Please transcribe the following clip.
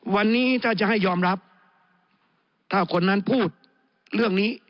วันนี้ถ้าจะให้ยอมรับถ้าคนนั้นพูดเรื่องนี้